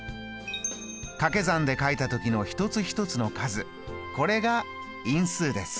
かけ算で書いた時の一つ一つの数これが因数です。